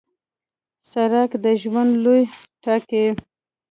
سړک د ژوند لوری ټاکي.